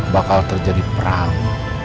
bakal terjadi perang